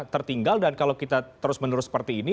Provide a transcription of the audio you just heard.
tertinggal dan kalau kita terus menerus seperti ini